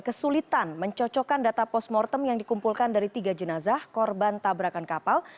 kesulitan mencocokkan data post mortem yang dikumpulkan dari tiga jenazah korban tabrakan kapal